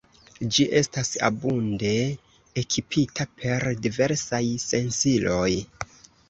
Ĝi estas abunde ekipita per diversaj sensiloj.